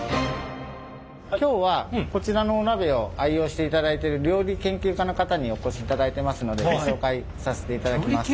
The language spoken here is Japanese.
今日はこちらのお鍋を愛用していただいている料理研究家の方にお越しいただいてますのでご紹介させていただきます。